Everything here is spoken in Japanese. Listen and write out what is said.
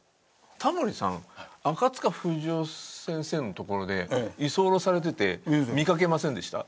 タモリさん赤塚不二夫先生のところで居候されてて見かけませんでした？